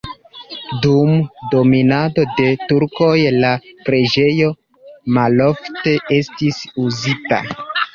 Dum dominado de turkoj la preĝejo malofte estis uzita.